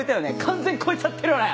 完全越えちゃってるよね？